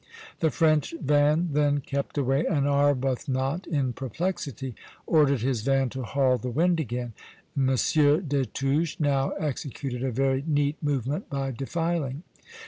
The French van then kept away, and Arbuthnot, in perplexity, ordered his van to haul the wind again. M. Destouches now executed a very neat movement by defiling.